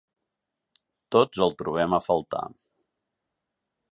Tots el trobem a faltar.